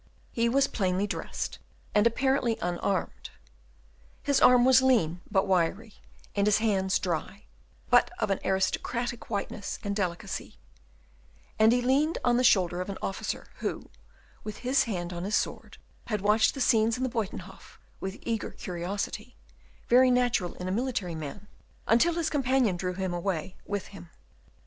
He was plainly dressed, and apparently unarmed; his arm was lean but wiry, and his hands dry, but of an aristocratic whiteness and delicacy, and he leaned on the shoulder of an officer, who, with his hand on his sword, had watched the scenes in the Buytenhof with eager curiosity, very natural in a military man, until his companion drew him away with him.